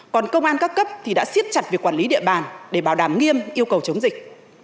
còn công an các cấp thì đã xiết chặt việc quản lý địa bàn để bảo đảm nghiêm yêu cầu chống dịch